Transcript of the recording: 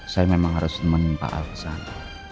saya memang harus menemani pak al kesana